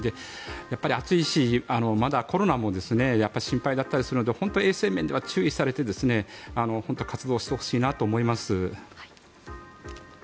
やっぱり暑いし、まだコロナも心配だったりするので本当に衛生面では注意されて活動してほしいなと思います。